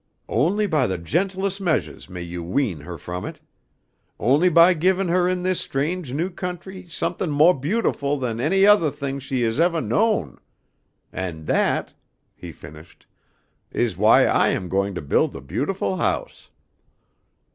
Only by the gentlest measuahs may you wean her from it. Only by givin' her in this strange new country something mo' beautiful than any othah thing she has evah known. And that," he finished, "is why I am goin' to build the beautiful house."